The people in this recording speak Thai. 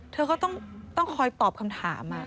เธอก็ต้องคอยตอบคำถาม